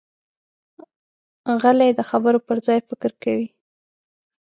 غلی، د خبرو پر ځای فکر کوي.